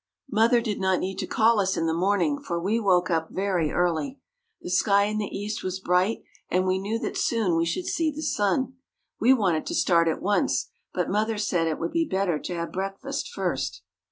Mother did not need to call us in the morning, for we woke up very early. The sky in the east was bright, and we knew that soon we should see the sun. We wanted to start at once, but mother said it would be better to have breakfast first.